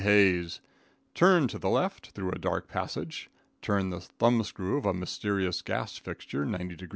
Hayes," turn to the left, through a dark passage, turn the thumbscrew of a mysterious gas fixture 90 deg.